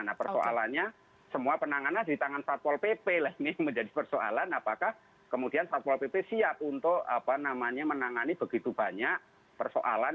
nah persoalannya semua penanganan di tangan satpol pp lah ini menjadi persoalan apakah kemudian satpol pp siap untuk menangani begitu banyak persoalan